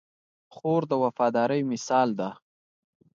خور د وفادارۍ مثال ده.